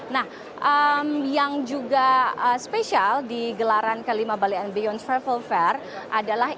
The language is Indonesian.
nah yang juga spesial di gelaran kelima bali and beyond travel fair adalah